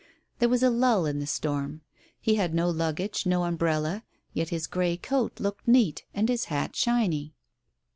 There was a lull in the storm. He had no luggage, no umbrella, yet his grey coat looked neat, and his hat shiny.